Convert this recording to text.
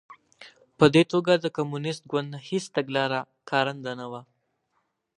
په دې توګه د کمونېست ګوند هېڅ تګلاره کارنده نه وه